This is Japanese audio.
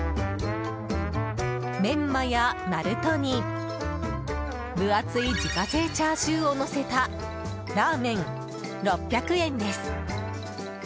メンマやナルトに、分厚い自家製チャーシューをのせたラーメン、６００円です。